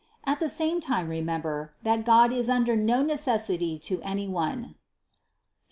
At the same time remember, that God is under no necessity to any one (Ps.